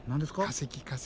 化石化石。